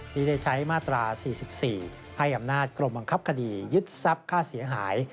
ที่ได้ใช้มาตรา๔๔ให้อำนาจกรมบังคับคดียึดทรัพย์ค่าเสียหาย